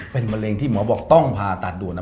เป็นมะเร็งที่หมอบอกต้องผ่าตัดด่วนนะ